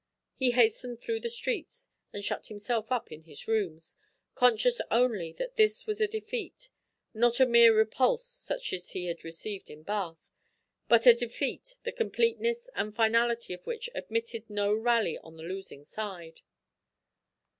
He hastened through the streets, and shut himself up in his rooms, conscious only that this was a defeat, not a mere repulse such as he had received at Bath, but a defeat the completeness and finality of which admitted no rally on the losing side.